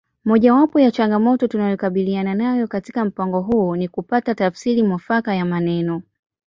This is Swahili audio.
Mojawapo ya changamoto tunayokabiliana nayo katika mpango huu ni kupata tafsiri mwafaka ya maneno